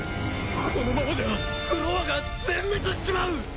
このままじゃフロアが全滅しちまう！